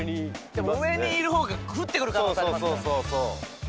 でも上にいる方が降ってくる可能性ありますから。